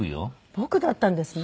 「僕」だったんですね。